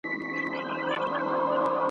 چي مو شپې په روڼولې چي تیارې مو زنګولې `